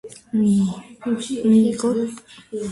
მიიღო შესანიშნავი განათლება და ბევრს მოგზაურობდა დასავლეთ ევროპაში.